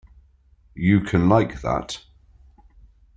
You can like that.